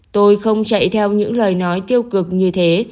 tôi không chạy theo những lời nói tiêu cực như thế